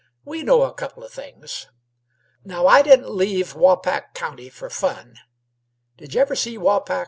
We know a couple o' things. Now I didn't leave Waupac County f'r fun. Did y' ever see Waupac?